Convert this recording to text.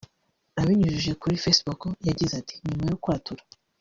Abinyujije kuri Facebook yagize ati “Nyuma yo kwatura